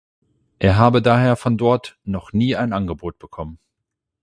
Er habe daher von dort „noch nie ein Angebot bekommen“.